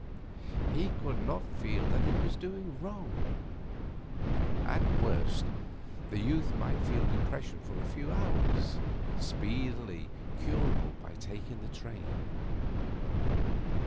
He could not feel that he was doing wrong. At worst, the youth might feel depression for a few hours speedily curable by taking the train.